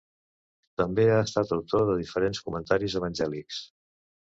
També ha estat autor de diferents comentaris evangèlics.